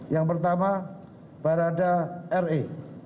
yang pertama barada re